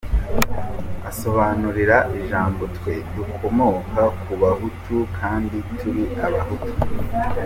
Asobanura ijambo "Twe dukomoka ku Bahutu kandi turi Abahutu.